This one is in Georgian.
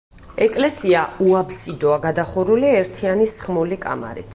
ეკლესია უაბსიდოა, გადახურულია ერთიანი სხმული კამარით.